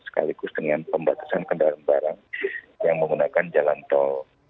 sekaligus dengan pembatasan kendaraan barang yang menggunakan jalan tol